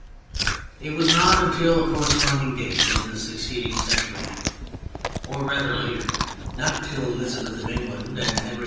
It was not till a corresponding date in the succeeding century—or rather later—not till Elizabeth of England and Henry IV.